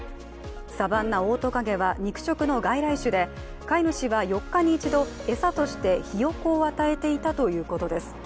サバンナオオトカゲは肉食の外来種で、飼い主は４日に一度餌としてひよこを与えていたということです。